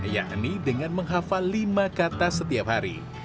yakni dengan menghafal lima kata setiap hari